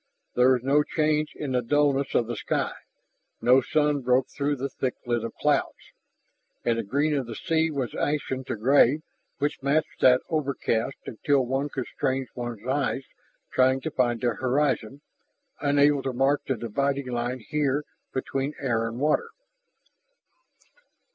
There was no change in the dullness of the sky; no sun broke through the thick lid of clouds. And the green of the sea was ashened to gray which matched that overcast until one could strain one's eyes trying to find the horizon, unable to mark the dividing line here between air and water.